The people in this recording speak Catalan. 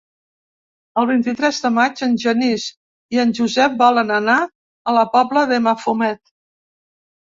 El vint-i-tres de maig en Genís i en Josep volen anar a la Pobla de Mafumet.